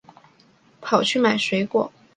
跑去买水果